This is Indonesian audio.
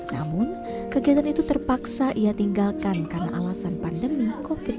namun kegiatan itu terpaksa ia tinggalkan karena alasan pandemi covid sembilan belas